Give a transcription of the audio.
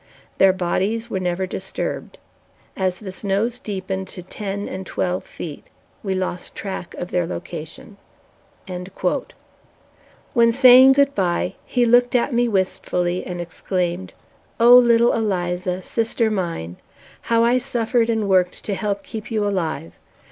Their bodies were never disturbed. As the snows deepened to ten and twelve feet, we lost track of their location. When saying good bye, he looked at me wistfully and exclaimed: "Oh, little Eliza, sister mine, how I suffered and worked to help keep you alive.